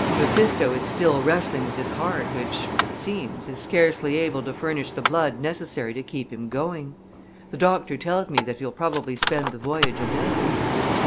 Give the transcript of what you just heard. "Mephisto is still wrestling with his heart, which, it seems, is scarcely able to furnish the blood necessary to keep him going. The doctor tells me that he'll probably spend the voyage abed."